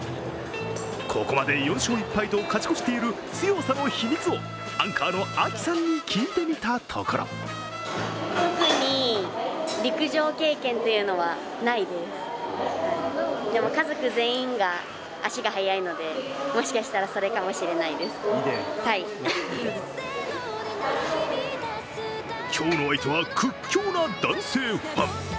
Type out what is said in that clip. ここまで４勝１敗と勝ち越している強さの秘密をアンカーのＡｋｉさんに聞いてみたところ今日の相手は屈強な男性ファン。